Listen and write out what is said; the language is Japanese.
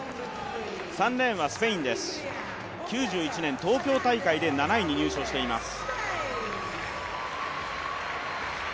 スペインは９７年東京大会で７位に入賞しています。